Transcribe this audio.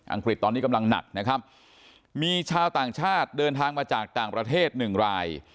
กฤษตอนนี้กำลังหนักนะครับมีชาวต่างชาติเดินทางมาจากต่างประเทศหนึ่งราย